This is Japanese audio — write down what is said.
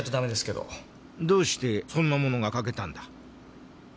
どうしてそんなものが欠けたんだ？